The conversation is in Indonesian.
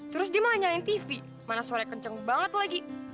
terus dia mau nanyain tv mana suaranya kenceng banget lagi